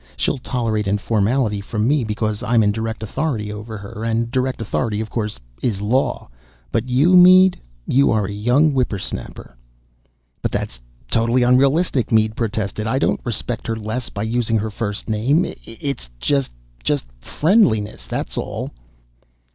She'll tolerate informality from me because I'm in direct authority over her, and direct authority, of course, is Law. But you, Mead, are a young whipper snapper." "But that's totally unrealistic!" Mead protested. "I don't respect her less by using her first name ... it's just ... just friendliness, that's all."